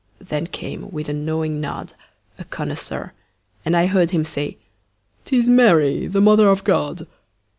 Then came, with a knowing nod, A connoisseur, and I heard him say; "'Tis Mary, the Mother of God."